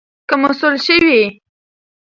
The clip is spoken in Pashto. که مسؤول شوې